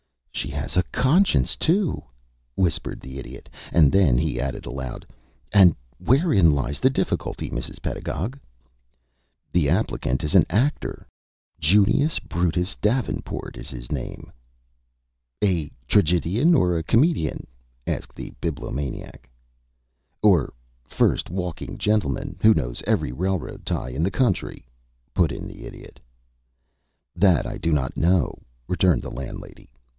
"She has a conscience, too," whispered the Idiot; and then he added, aloud, "And wherein lies the difficulty, Mrs. Pedagog?" "The applicant is an actor; Junius Brutus Davenport is his name." "A tragedian or a comedian?" asked the Bibliomaniac. "Or first walking gentleman, who knows every railroad tie in the country?" put in the Idiot. "That I do not know," returned the landlady.